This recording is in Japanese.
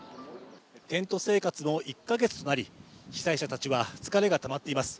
テント生活も１か月となり被災者たちは疲れがたまっています。